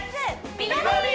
美バディ」